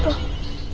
aduh apaan nih